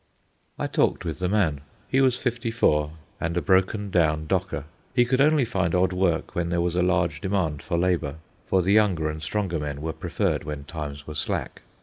I talked with the man. He was fifty four and a broken down docker. He could only find odd work when there was a large demand for labour, for the younger and stronger men were preferred when times were slack.